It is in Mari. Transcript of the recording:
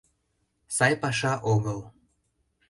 — Сай паша огыл...